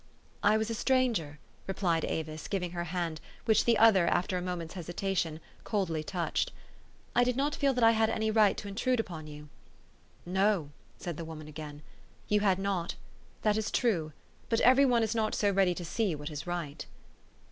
"" I was a stranger," replied Avis, giving her hand, which the other, after a moment's hesitation, coldly touched. " I did not feel that I had any right to intrude upon you." "No," said the woman again, "you had not. That is true. But every one is not so ready to see what is right."